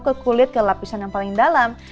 ke kulit ke lapisan yang paling dalam